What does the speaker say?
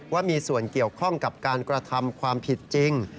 ว่ามีส่วนเกี่ยวข้องกับการกระทำความผิดจริง